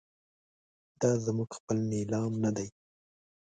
دا زموږ خپل نیلام نه دی.